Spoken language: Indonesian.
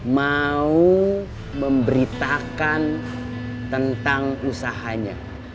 mau memberitakan tentang usahanya